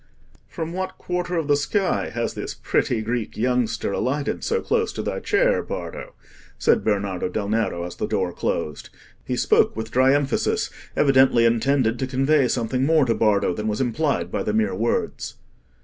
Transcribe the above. "From what quarter of the sky has this pretty Greek youngster alighted so close to thy chair, Bardo?" said Bernardo del Nero, as the door closed. He spoke with dry emphasis, evidently intended to convey something more to Bardo than was implied by the mere words.